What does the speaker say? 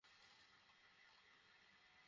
ওকে ওসব বলার সাহস আছে তার, তাই না?